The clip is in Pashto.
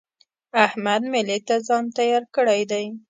احمد مېلې ته ځان تيار کړی دی.